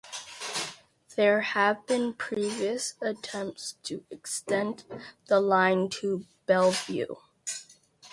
There have been previous attempts to extend the line to Bellevue.